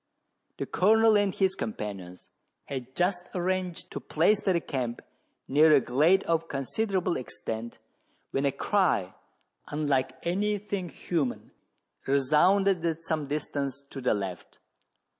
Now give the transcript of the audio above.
The Colonel and his companions had just arranged to place their camp near a glade of considerable extent, when a cry, unlike any thing human, resounded at some distance to the left.